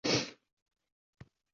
Endi asosiy masalaga qaytsak.